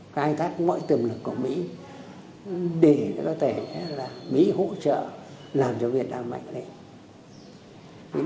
khai thác mọi tiềm lực của mỹ để có thể mỹ hỗ trợ làm cho việt nam mạnh lẽ